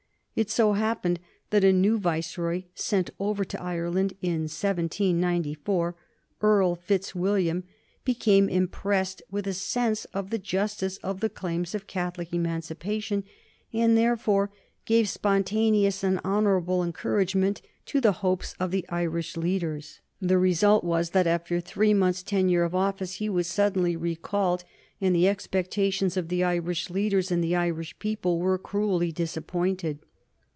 It so happened that a new Viceroy sent over to Ireland in 1794, Earl Fitzwilliam, became impressed with a sense of the justice of the claims for Catholic emancipation, and therefore gave spontaneous and honorable encouragement o the hopes of the Irish leaders. The result was that after three months' tenure of office he was suddenly recalled, and the expectations of the Irish leaders and the Irish people were cruelly disappointed.